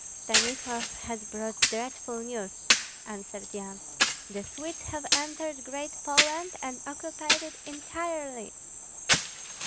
"Stanislav has brought dreadful news," answered Yan. "The Swedes have entered Great Poland, and occupied it entirely."